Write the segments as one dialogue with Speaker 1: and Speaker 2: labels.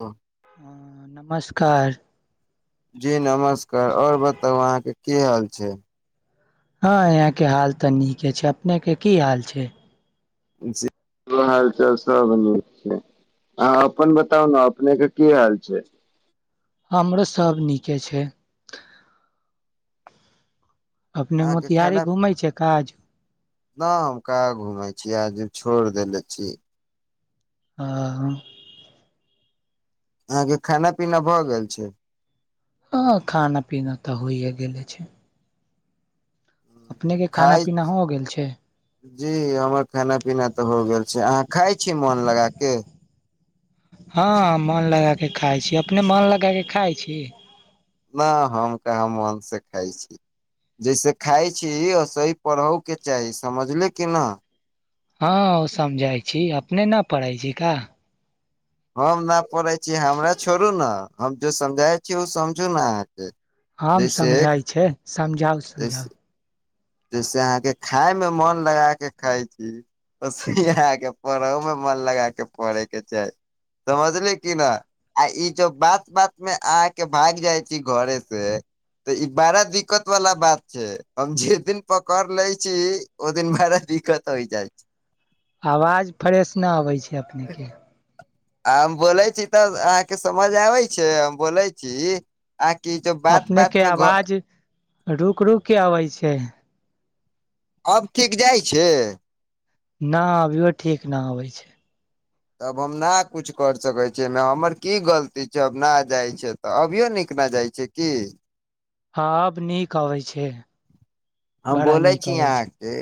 Speaker 1: हँ
Speaker 2: हँ नमस्कार
Speaker 1: जी नमस्कार और बताउ अहाँके की हाल छै
Speaker 2: हँ यहाँ के हाल तऽ नीके छै अपने के की हाल छै
Speaker 1: [inaudible] हालचाल सब नीक छै अ अपन बताउ ने अपने के की हाल छै
Speaker 2: हमरो सब नीके छै अपने
Speaker 1: अहाँके
Speaker 2: मोतिहारी
Speaker 1: खाना
Speaker 2: घूमेय छै काज
Speaker 1: न हम क घूमे छीय आज छोड़ देेले छी
Speaker 2: आ [inaudible]
Speaker 1: अहाँ के खाना पीना भए गेल छै
Speaker 2: हँ खाना पीना तऽ होइए गेलै छै अपने खाना
Speaker 1: खाय
Speaker 2: पीना हो गेल छै
Speaker 1: जी हमर खाना पीना तऽ हो गेल छै अहाँ खाय छी मोन लगा के
Speaker 2: हँ हां मोन लगाक खाइ छी अपने मोन लगाक खाइ छी
Speaker 1: नाह हम कह मन से खाइ छी जैसे खााय छी ओ सेह पढ़ो के चाही समझले की न
Speaker 2: हँ ओ समझै छी अपने न पढ़ैइ छि का
Speaker 1: हम न पढ़ै छी हमरा छोड़ू ने हम जे समझाय छी ओ समझु ने अहाँके
Speaker 2: हम
Speaker 1: जैसे
Speaker 2: समझाय छै समझाउ समझाउ
Speaker 1: जैेसे अहाँके खाय मे मन लगा के खाय छी ओ से ही अहा के पढ़हो मे मन लगा के पढ़ेके चाही समझली की न आ ई जो बात बात में अहाँके भाग जाइ छी घरे से तऽ ई बड़ा दिक्कत वाला बात छै हमझ जे दिन पकड़ लै छी ओ दिन बारा दिक्कत होइ जाइ छै
Speaker 2: आवाज फ्रेश न अबै छै अपने के
Speaker 1: आ हम बोलै छी तऽ अहाँके समझ आबै छै हम बोलै छी आकि जो बात
Speaker 2: अपने
Speaker 1: बात
Speaker 2: के
Speaker 1: में घ
Speaker 2: आवाज रुक रुक के आबै छै
Speaker 1: अब ठीक जाइ छै
Speaker 2: न अबियो ठीक न अबै छै
Speaker 1: तब हम ना कछु कर सकैत छियै हमर की गलती छै आब ना जाइ छै तऽ अभियो नीक न जाइ छै की
Speaker 2: हऽ आब नीक अबै छै।
Speaker 1: हम
Speaker 2: बड़ा
Speaker 1: बोलै
Speaker 2: नीक
Speaker 1: छी
Speaker 2: अबै छै
Speaker 1: अहाँ केँ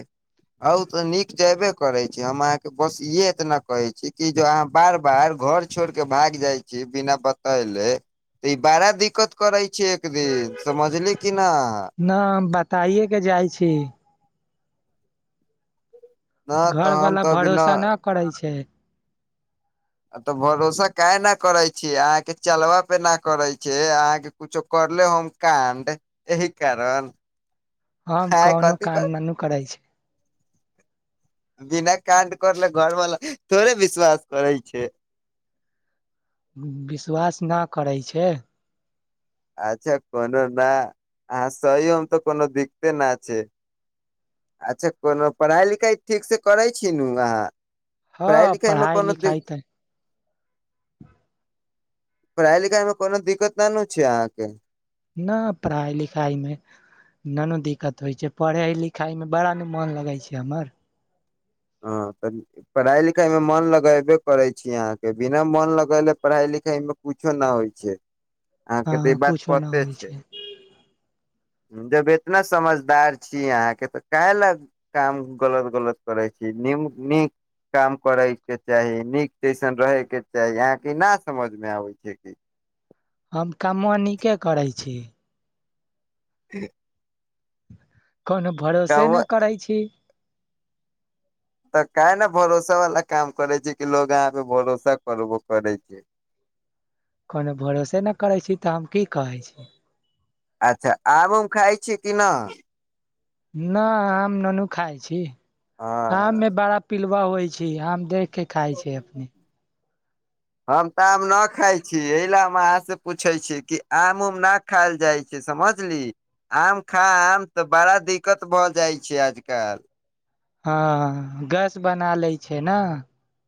Speaker 1: हाउ तऽ नीक जेबे करे छी हम अहाँकेँ बस इहे एतना कहे छी। की जो अहाँ बार बार घर छोड़ केँ भाग जाइ छी बिना बतैले तऽ ई बड़ा दिक्कत करै छै एक दिन समझलिए कि नै
Speaker 2: नै हम बताए केँ जाइ छी।
Speaker 1: न
Speaker 2: घर
Speaker 1: तऽ
Speaker 2: वाला
Speaker 1: हम तऽ अभी
Speaker 2: भरोसा न करै छै।
Speaker 1: तऽ भरोसा काह न करै छियै अहाँकेँ चेलबा पे ना करै छै अहाँ केँ कुछो करले होम काण्ड एहि कारण
Speaker 2: हम
Speaker 1: अहाँ
Speaker 2: कोनो
Speaker 1: कथी क
Speaker 2: कान न नु करै छै।
Speaker 1: बिना काण्ड करले घर बाला थोड़े विश्वास करै छै?
Speaker 2: विश्वास ना करै छै।
Speaker 1: अच्छा कोनो ने अहाँ [unintelligible] तऽ कोनो दिक्कते न छै। अच्छा कोनो पढ़ाइ लिखाइ ठीकसँ करै छी नु अहाँ? [inaudible]
Speaker 2: हँ
Speaker 1: पढ़ाइ लिखाइ मे कोनो द
Speaker 2: लिखाइ तऽ
Speaker 1: पढ़ाई लिखाई में कोनो दिक्कत न नु छै अहाँ केँ
Speaker 2: न पढ़ाइ लिखाइ मे ना नू दिक्कत होइ छै पढ़ाई लिखाई मे बड़ा न मोन लगै छै हमर।
Speaker 1: हँ पढ़ाइ लिखाई मे मन लगेबे करै छी अहाँकेँ बिना मन लगेले पढ़ाइ लिखाई में कुछो ना होइ छै [inaudible] अहाँ केँ
Speaker 2: हँ
Speaker 1: तऽ ई बात
Speaker 2: कुछो न
Speaker 1: पते
Speaker 2: होइ
Speaker 1: छै
Speaker 2: [unintelligible]
Speaker 1: जब एतना समझदार छी अहाँकेँ तऽ काहे लऽ काम गलत गलत करे छै [unintelligible] काम करे केँ चाही नीक जैसन रहे केँ चाही अहाँकेँ न समझ में आबे छै कि
Speaker 2: हम कमवा नीके करै छी।
Speaker 1: [unintelligible]
Speaker 2: कोनो भरोसे नै
Speaker 1: तऽ
Speaker 2: करै छी।
Speaker 1: तऽ काहे नै भरोसा वाला काम करे छै कि लोग अहाँ पे भरोसा करबो करै छै।
Speaker 2: कोनो भरोसे नै करैत छी तऽ हम की कहै छी।
Speaker 1: अच्छा आम उम खाइ छियै कि न
Speaker 2: न आम नुनू खाइ छी [inaudible] आम
Speaker 1: हँ
Speaker 2: में बड़ा पिलवा होइ छै आम देख केँ खाय छै अपने [inaudible]
Speaker 1: हम तऽ आम न खाय छी एहि ले हम अहाँ से पूछे छी कि आम उम ना खायल जाइ छै समझली आम खा आम तऽ बड़ा दिक्कत भऽ जाइ छै आजकल
Speaker 2: हँ गैस बना लै छै न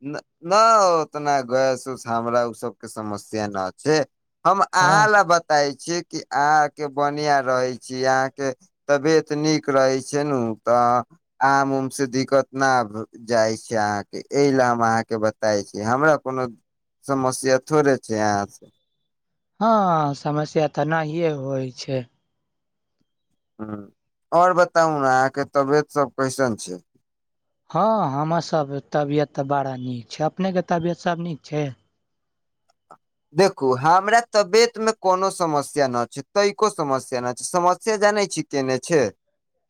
Speaker 1: न ना उतना गैस उस हमरा ओ सबके समस्या न छै हम
Speaker 2: हँ
Speaker 1: अहाँ ऽ बताय छियै कि अहा के बनिया रहै छी अहाँ के तबियत नीक रहैत छै नु तऽ आम उम से दिक्कत ना आ जाइ छै अहाँ केँ एहि ले हम अहाँकेँ बताय छी हमरा कोनो समस्या थोड़े छै अहाँ से
Speaker 2: हँ समस्या तऽ नहिए होइ छै
Speaker 1: हु और बताउ ना अहाँकेँ तबियत सब कैसन छै
Speaker 2: हँ हमर सब तबियत तऽ बड़ा नीक छै अपनेके तबियत सब नीक छै
Speaker 1: देखू हमरा तबियत मे कोनो समस्या न छै तैको समस्या न छै समस्या जानै छी केने छै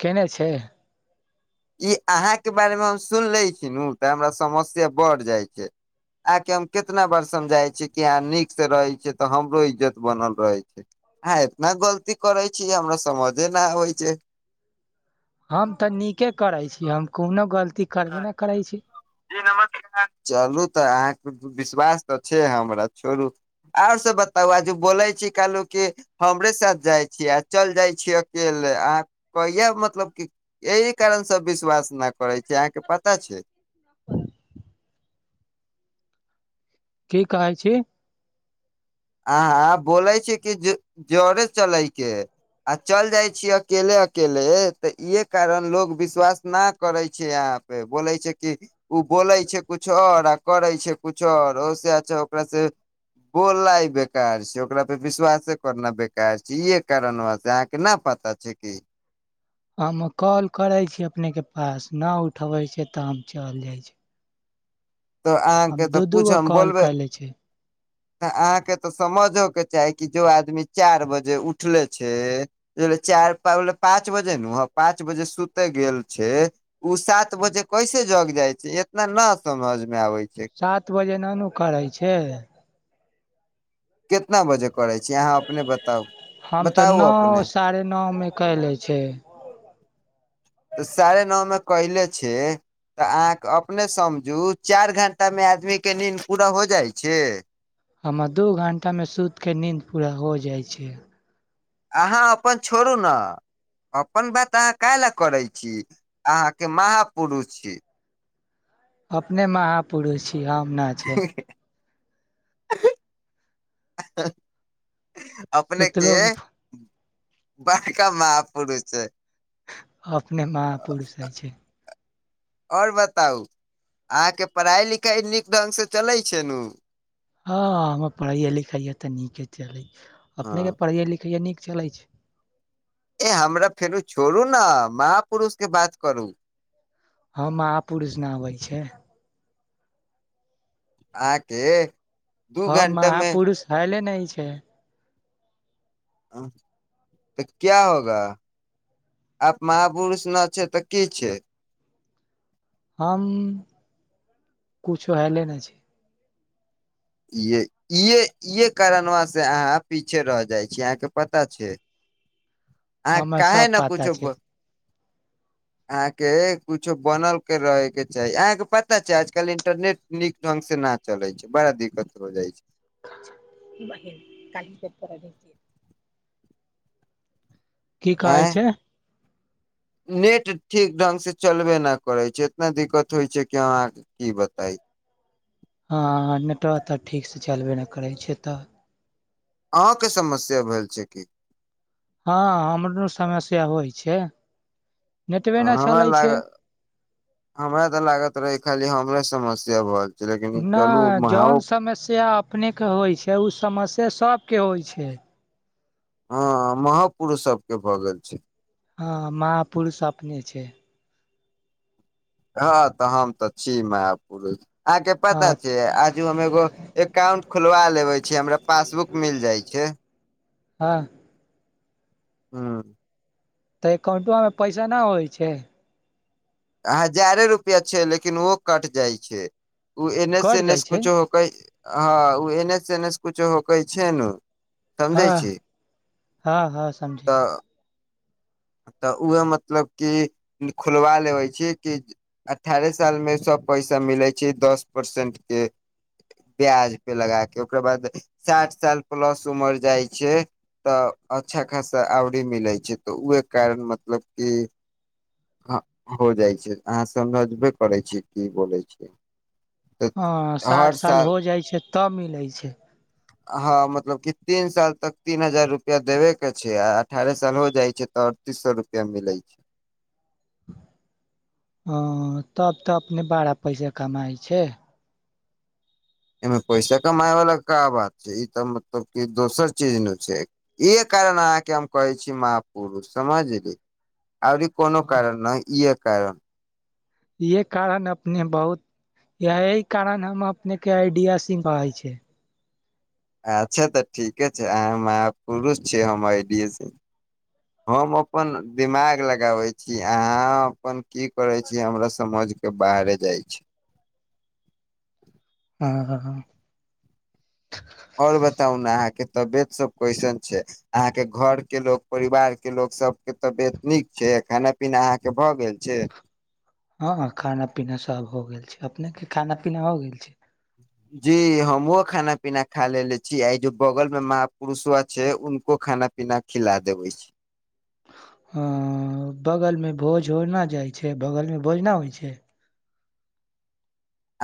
Speaker 2: केने छै
Speaker 1: ई अहाँके के बारे मे हम सुन ले छी नू तऽ हमरा समस्या बढ़ जाय छै आहाँके हम केतना बार समझाय छियै कि अहाँ नीक से रहै छियै तऽ हमरो इज्जत बनल रहे छै हँ इतना गलती करै छी हमरा समझे न आबै छै
Speaker 2: हम तऽ नीके करै छी हम कोनो गलती करबे न करैत छी
Speaker 1: जी नमस्कार चलू तऽ अहाँके विश्वास तऽ छै हमरा छोड़ू आओर सब बताउ आ जे बोलै छी कहलहु क हमरे साथ जाइ छियै आ चल जाइ छियै अकेले अह कहिये मतलब क एहि कारणसँ विश्वास न करै छै अहाँके पता छै
Speaker 2: [inaudible] की कहै छी
Speaker 1: आहाँ बोलै छी कि जरे चलैके है आ चल जाय छी अकेले अकेले तऽ इहे कारण लोग विश्वास न करे छै अहाँ पर बोलै छै की ओ बोलै छै किछु आओर आ करै छै किछु आर ओ सेअच्छा ओकरा से गोर लाइग बेकार छै ओकरा पे विश्वासे करना बेकार छै इहे कारण वा से अहाँ के न पता छै कि
Speaker 2: हम कॉल करै छी अपनेके पास न उठबै छै तऽ हम चलि जाइ छी
Speaker 1: तऽ अहाँके
Speaker 2: हम
Speaker 1: तऽ
Speaker 2: दू दू गो
Speaker 1: पूछम
Speaker 2: कॉल
Speaker 1: बोलबै
Speaker 2: कैले छी
Speaker 1: तऽ अहाँके तऽ समझो के चाही कि जो आदमी चारि बजे उठले छै चारि पाँच बजे नू आ पाँच बजे सुते गेल छै उ सात बजे कैसे जग जाइ छै इतना न समझ मे आबै छै
Speaker 2: सात बजे नानू करै छै
Speaker 1: केतना बजे करै छी आहाॅं।
Speaker 2: हम तऽ नौ
Speaker 1: अपने
Speaker 2: साढ़े नौ मे कैले छियै। [inaudible]
Speaker 1: तऽ साढ़े नौ मे कैले छै। तऽ अहाँके अपने समझू चारि घंटा मे आदमी के नींद पूरा हो जाइ छै
Speaker 2: हमर दू घण्टामे सुतिके नींन्द पूरा हो जाइ छै
Speaker 1: अहाँ अपन छोड़ू ने अपन बात अहाँ कायेला करै छी अहाँ के महापुरुष छी
Speaker 2: अपने महापुरुष छी हम न
Speaker 1: [inaudible] अपने
Speaker 2: सुतलो
Speaker 1: के बड़का महापुरुष छै।
Speaker 2: अपने महापुरुष होइ छै।
Speaker 1: आओर बताउ अहाँके पढ़ाइ लिखाई नीक ढंग से चलै छै नु।
Speaker 2: हँ हमर पढ़ाइये लिखाइये तऽ नीके चलै
Speaker 1: हँ।
Speaker 2: अपनेके पढ़ैइये लिखैइये नीक चलै छै।
Speaker 1: ए हमरा छोरु छोड़ू ने महापुरुष के बात करू।
Speaker 2: हँ महापुरुष नहबै छै।
Speaker 1: आहाॅं के
Speaker 2: हम महापुरुष हयले नय छै।
Speaker 1: तऽ क्या होगा। आप महापुरुष न छै तऽ की छै।
Speaker 2: हम कुछो हैले नै छी।
Speaker 1: ये इे इहे कारनवा से अहाँ पीछे रह जाइ छी अहाँके पता छै। अहाँ
Speaker 2: हमे
Speaker 1: काहे
Speaker 2: सब
Speaker 1: ने कुछो
Speaker 2: पाता छै।
Speaker 1: अहाँके कुछो बनल के रहे के चाही अहाके पता छै आजकल इंटरनेट नीक ढंग से न चलै छै। बड़ा दिक्कत हो जाइ छै।
Speaker 2: बहिन काईल खेत पर अईभि की। की
Speaker 1: आय
Speaker 2: कहै छै।
Speaker 1: नेट ठीक ढंग से चलबे ना करै छै इतना दिक्कत होइ छै कि अहाँके की बताई।
Speaker 2: हँ नेटवा तऽ ठीकसँ चलबे नहि करै छै तऽ।
Speaker 1: अहों के समस्या भईल छै की।
Speaker 2: हँ हमरो समस्या होइ छै नेटबे नहि
Speaker 1: हमरा
Speaker 2: चलै
Speaker 1: लाग
Speaker 2: छै।
Speaker 1: हमरा तऽ लागत रहे खाली हमरे समस्या हल।
Speaker 2: नहि जौन समस्या अपनेके होइ छै उ समस्या सभके होइ छै।
Speaker 1: हँ महापुरुष सब के भऽ गेल छै।
Speaker 2: हँ महापुरुष अपने छै।
Speaker 1: हँ तऽ हम तऽ छी महापुरुष अहाँके
Speaker 2: हँ
Speaker 1: पता छै अहाॅंक जो हम एगो एकाउंट खोलवा लेबे छै हमरा पासबुक मिल जाय छै।
Speaker 2: हँ
Speaker 1: हू
Speaker 2: तऽ एकाउंटबामे पैसा ना होइ छै।
Speaker 1: हजारे रुपआ छै लेकिन ओहो कट जाइ छै ओ एन एस
Speaker 2: कट
Speaker 1: एन
Speaker 2: जाइ
Speaker 1: एस
Speaker 2: छै
Speaker 1: कुछो हँ ओ एन एस एन एस कुछो होकै छै न समझै
Speaker 2: हँ
Speaker 1: छी
Speaker 2: हँ हँ समझै
Speaker 1: तऽ
Speaker 2: छी
Speaker 1: तऽ उहे मतलब की खुलवा लेबे छी कि अठारह साल में सब पैसा मिले छै दस परसेंट के ब्याज पे लगा के ओकरा बाद साठ साल प्लस उमर जाइ छै तऽ अच्छा खासा आवरी मिलै छै तऽ उहे कारण मतलब कि हो जाइ छै अहाँ समझबे करै छियै की बोलै छिय।
Speaker 2: हाॅं साठ साल हो जाइ छै तब मिलै छै।
Speaker 1: हँ मतलब कि तीन साल तक तीन हजार रुपआ देबे के छै। आ अठारह साल हो जाइ छै। तऽ पचीस सए रुपआ मिल छै।
Speaker 2: ह तब तऽ अपने बारा पैसा कमाइ छै।
Speaker 1: एहिमे पैसा कमाय वाला का बात छै। ई तऽ मतलब क दोसर चीज न छै। इहे कारण अहाँके हम कहै छी। महा पुरुष समझली आर कोनो
Speaker 2: हाँ,
Speaker 1: कारण नहि इए कारण।
Speaker 2: इहे कारण अपने बहुत, यही कारण हम अपने के आइडियासिम कहय छै।
Speaker 1: अच्छा तऽ ठीके छै आहाॅं महापुरुष छीयै हम आइडियस। हम अपन दिमाग लगाबे छी अहाँ अपन की करे छी हमरा समझ के बाहरे जाइ छी
Speaker 2: ह ह ह ह
Speaker 1: आ़ओर बताउ ने अहाँके तबियत सब कइसन छै। अहाँके घर के लोक परिवार के लोक सबके तबियत नीक छै। खाना पीना अहाँ के भ गेल छै।
Speaker 2: हँ खाना पीना सब हो गेल छै। अपने के खाना पीना हो गेल छै। [inaudible]
Speaker 1: जी हमहुं खाना पीना खा लेलेे छी आ जो बगल में महा पुरुषो छै। उनको खाना पिना खिला देबै छी।
Speaker 2: हँ बगल में भोज होना जाइ छै बगल में ना होइ छै।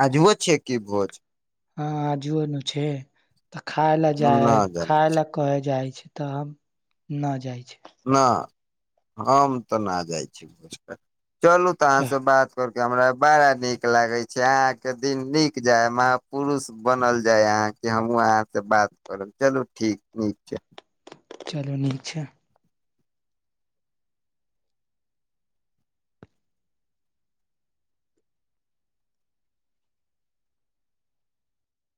Speaker 1: आजुओ छैय की भोज
Speaker 2: हँ आजुओ न छै [inaudible] तऽ खाय लऽ जा
Speaker 1: हम न जानै
Speaker 2: खाय
Speaker 1: छी
Speaker 2: लऽ कह जाइ छै तऽ हम [inaudible] न जाइ छै।
Speaker 1: ना [inaudible] हम तऽ ना जाइ छी। चलू तऽ अहाँ
Speaker 2: चह
Speaker 1: स बात कर केँ हमरा बड़ा निक लागे छै अहाँकेँ दिन नीक जाय महापुरुष बनल जाय अहाँ केँ से हमहूँ अहाँ से बात करब चलू ठीक नीक छै।
Speaker 2: चलू नीक छै।